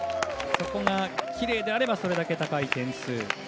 そこがきれいであればそれだけ高い点数。